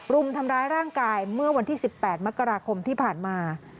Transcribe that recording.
รุมทำร้ายร่างกายเมื่อวันที่๑๘มกราคมที่ผ่านมา